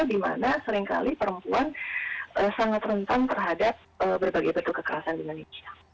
di mana seringkali perempuan sangat rentan terhadap berbagai bentuk kekerasan di indonesia